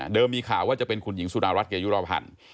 มีข่าวว่าจะเป็นคุณหญิงสุดารัฐเกยุรพันธ์